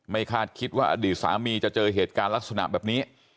คาดคิดว่าอดีตสามีจะเจอเหตุการณ์ลักษณะแบบนี้